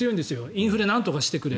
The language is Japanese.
インフレなんとかしてくれ。